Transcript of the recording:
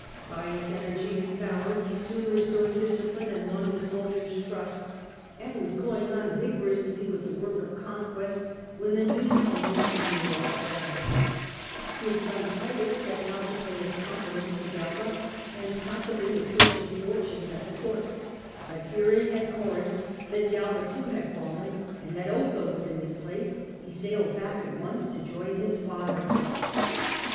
By his energy and valour he soon restored discipline and won the soldiers^ trust, 142 The Earlier Empire. a. d. 69 79 . and was going on vigorously with the work of conquest he showed when the news came of Nero^s fall. His his skill, and son Titus set out to pay his compliments to soldiers' Galba, and possibly to push his fortunes at trust. court ; but hearing at Corinth that Galba too had fallen, and that Otho was in his place, he sailed back at once to join his father.